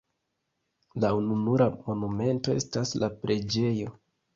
La ununura monumento estas la preĝejo.